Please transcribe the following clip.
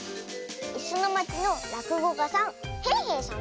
「いすのまち」のらくごかさんへいへいさんだよ。